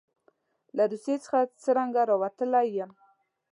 له روسیې څخه څرنګه راوتلی یم.